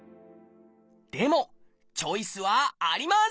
でもチョイスはあります！